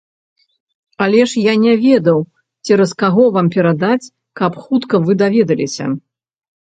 Але ж я не ведаў, цераз каго вам перадаць, каб хутка вы даведаліся.